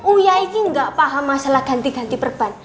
uya ini gak paham masalah ganti ganti perban